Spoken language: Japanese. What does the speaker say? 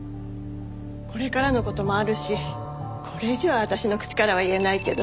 これからの事もあるしこれ以上は私の口からは言えないけど。